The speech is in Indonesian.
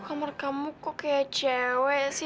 kamur kamu kok kayak cewek sih